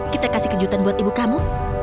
kita kasih kejutan buat ibu kamu